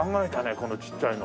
このちっちゃいの。